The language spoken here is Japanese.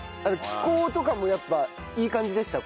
気候とかもやっぱいい感じでした？